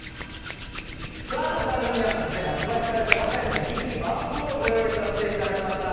スタジオには今年発売されたばかりの人気バスボールをご用意させていただきました。